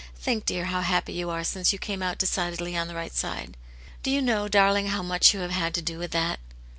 Think, dear, how happy you are since you came out decidedly on the right side." *' Do you know, darling, how much you have had to do with that